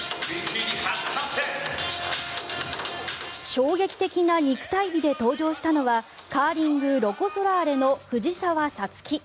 衝撃的な肉体美で登場したのはカーリング、ロコ・ソラーレの藤澤五月。